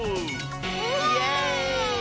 イエーイ！